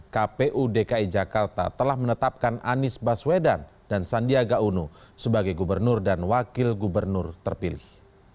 kpu dki jakarta telah menetapkan anies baswedan dan sandiaga uno sebagai gubernur dan wakil gubernur terpilih